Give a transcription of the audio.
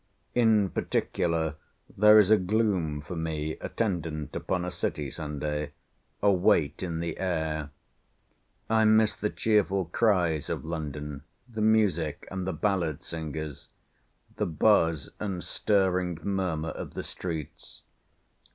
In particular, there is a gloom for me attendant upon a city Sunday, a weight in the air. I miss the cheerful cries of London, the music, and the ballad singers—the buzz and stirring murmur of the streets.